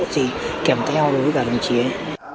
chỉ kèm theo đối với đồng chí ấy